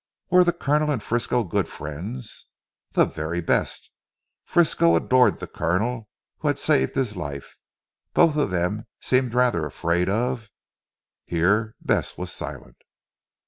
"Were the Colonel and Frisco good friends?" "The very best. Frisco adored the Colonel, who had saved his life. Both of them seem rather afraid of " here Bess was silent.